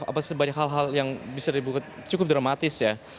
apa sebanyak hal hal yang bisa dibuka cukup dramatis ya